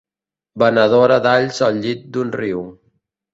Venedora d'alls al llit del riu.